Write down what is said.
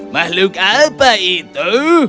makhluk apa itu